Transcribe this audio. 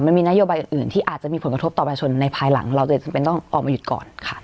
มันมีนโยบายอื่นที่อาจจะมีผลกระทบต่อประชาชนในภายหลังเราเลยจำเป็นต้องออกมาหยุดก่อนค่ะ